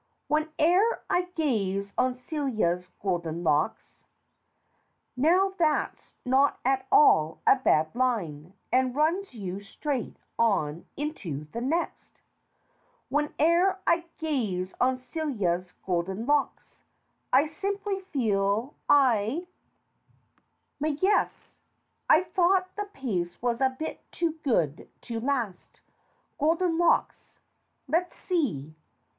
"Whene'er I gaze on Celia's golden locks " Now that's not at all a bad line, and runs you straight on into the next : "Whene'er I gaze on Celia's golden locks, I simply feel I " 207 208 STORIES WITHOUT TEARS M'yes. I thought the pace was a bit too good to last. Golden locks. Let's see.